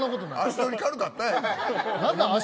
足取り軽かったやん。